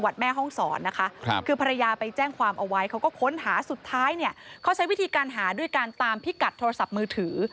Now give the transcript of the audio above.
ด้วยการตามพิกัดโทรศัพท์มือถือ